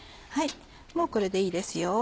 もうこれでいいですよ。